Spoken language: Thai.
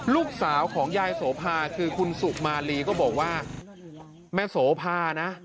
ลูกสาวของยายโสภาคือคุณสุมาลีก็บอกว่าแม่โสภานะ